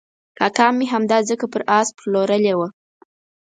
کاکا مې همدا ځمکه پر آس پلورلې وه.